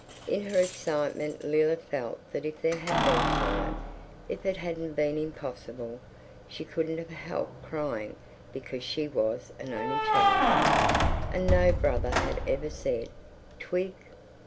In her excitement Leila felt that if there had been time, if it hadn't been impossible, she couldn't have helped crying because she was an only child, and no brother had ever said "Twig?"